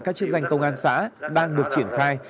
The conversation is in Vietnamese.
các chức danh công an xã đang được triển khai